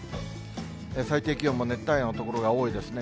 最低気温も熱帯夜の所が多いですね。